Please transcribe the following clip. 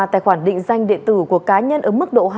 tài khoản định danh điện tử của cá nhân ở mức độ hai